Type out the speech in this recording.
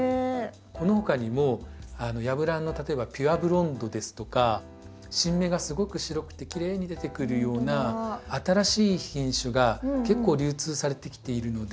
このほかにもヤブランの例えばピュアブロンドですとか新芽がすごく白くてきれいに出てくるような新しい品種が結構流通されてきているので。